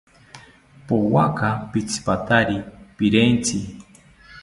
Powaka pitzipatari pirentzi